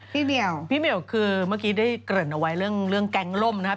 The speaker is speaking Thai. เหมียวพี่เหมียวคือเมื่อกี้ได้เกริ่นเอาไว้เรื่องแก๊งล่มนะครับ